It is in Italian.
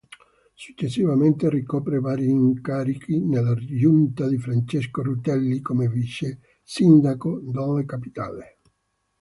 Successivamente ricopre vari incarichi nella Giunta di Francesco Rutelli come Vicesindaco della Capitale.